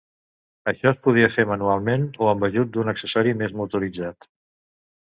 Això es podia fer manualment o amb l'ajut d'un accessori més motoritzat.